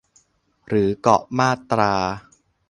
หรือเกาะมาตรา